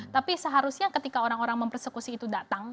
tapi seharusnya ketika orang orang mempersekusi itu datang